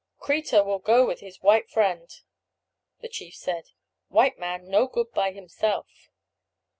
"Kreta will go with his white friend," the chief said; "white man no good by himself."